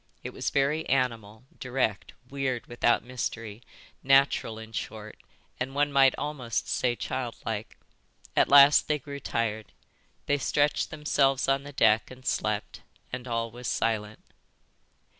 It was very animal, direct, weird without mystery, natural in short, and one might almost say childlike. At last they grew tired. They stretched themselves on the deck and slept, and all was silent.